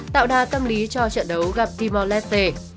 tạo đà tâm lý cho trận đấu gặp timor leste